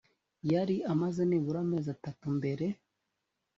yari amaze nibura amezi atatu mbere